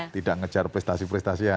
tidak ngejar prestasi prestasi